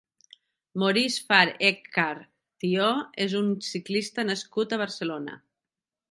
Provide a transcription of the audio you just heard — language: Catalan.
Maurice Far Eckhard Tió és un ciclista nascut a Barcelona.